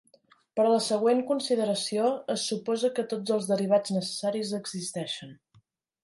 Per a la següent consideració, es suposa que tots els derivats necessaris existeixen.